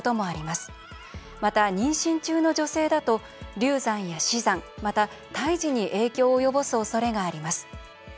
また妊娠中の女性だと流産や死産また胎児に影響を及ぼすおそれがあります。